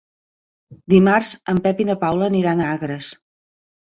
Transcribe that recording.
Dimarts en Pep i na Paula aniran a Agres.